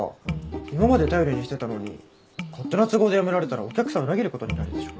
今まで頼りにしてたのに勝手な都合でやめられたらお客さん裏切ることになるでしょ。